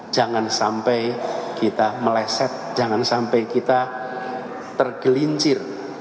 jangan sampai kita meleset jangan sampai kita tergelincir